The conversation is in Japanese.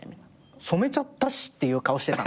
染めちゃったしっていう顔してた。